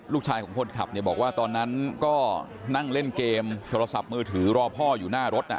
ลูกชายของคนขับเนี่ยบอกว่าตอนนั้นก็นั่งเล่นเกมโทรศัพท์มือถือรอพ่ออยู่หน้ารถ